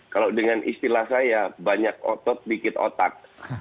kalau dengan istilah saya banyak otot dikit otak